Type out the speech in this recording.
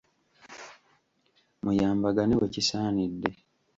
Muyambagane wekisaanidde.